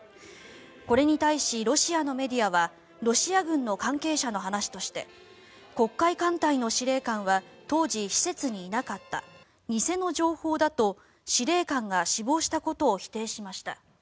これに対し、ロシアのメディアはロシア軍の関係者の話として黒海艦隊の司令官は当時、施設にいなかった偽の情報だと司令官が死亡したことを否定しました。